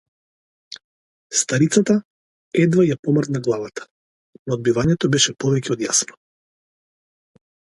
Старицата едвај ја помрдна главата, но одбивањето беше повеќе од јасно.